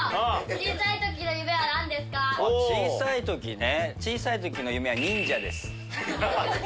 小さい時ね。